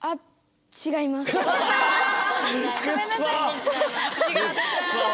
ごめんなさい。